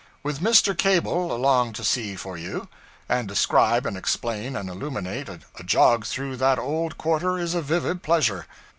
With Mr. Cable along to see for you, and describe and explain and illuminate, a jog through that old quarter is a vivid pleasure.